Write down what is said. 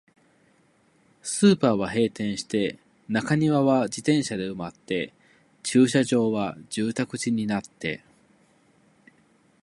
スーパーは閉店して、中庭は自転車で埋まって、駐車場は住宅地になって、